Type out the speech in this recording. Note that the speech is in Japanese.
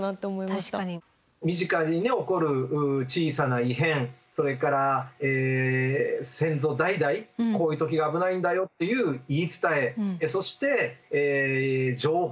身近に起こる小さな異変それから先祖代々こういう時が危ないんだよっていう言い伝えそして情報